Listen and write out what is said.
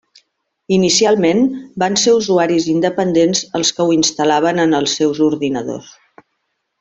Inicialment, van ser usuaris independents els que ho instal·laven en els seus ordinadors.